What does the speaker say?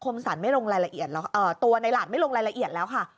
มสรรไม่ลงรายละเอียดตัวในหลาดไม่ลงรายละเอียดแล้วค่ะ